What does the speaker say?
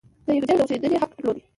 د یهودیانو د اوسېدنې حق درلود.